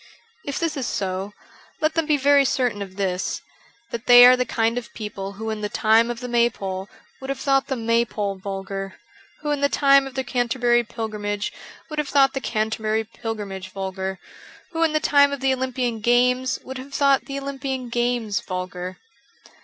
If this is so, let them be very certain of this : that they are the kind of people who in the time of the maypole would have thought the may pole vulgar ; who in the time of the Canterbury pilgrimage would have thought the Canterbury pilgrimage vulgar ; who in the time of the Olympian Games would have thought the Olympian Games vulgar.